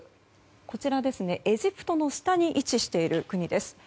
こちら、エジプトの下に位置している国です。